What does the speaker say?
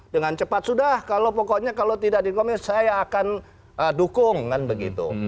dengan cepat sudah kalau pokoknya kalau tidak dikomit saya akan dukung kan begitu